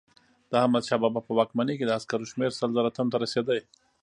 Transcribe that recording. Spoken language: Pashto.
د احمدشاه بابا په واکمنۍ کې د عسکرو شمیر سل زره تنو ته رسېده.